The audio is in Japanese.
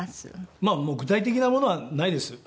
まあもう具体的なものはないです。